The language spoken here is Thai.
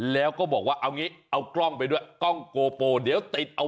แล้วก็บอกว่าเอากล้องไปด้วย